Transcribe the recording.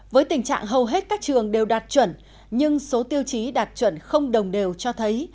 với tình trạng hầu hết các trường đều đạt chuẩn nhưng số tiêu chí đạt chuẩn không đồng đều cho thấy